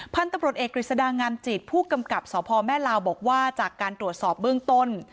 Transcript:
พันธุ์ตำรวจเอกกฤษฎางามจิตผู้กำกับสพแม่ลาวบอกว่าจากการตรวจสอบเบื้องต้น